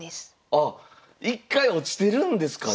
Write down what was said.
あ１回落ちてるんですか